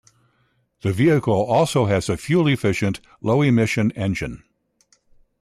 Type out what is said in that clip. The vehicle also has a fuel-efficient, low-emission engine.